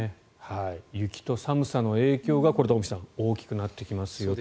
雪と寒さの影響がこれ、トンフィさん大きくなってきますよと。